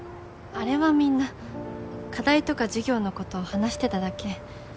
あれはみんな課題とか授業のことを話してただけ。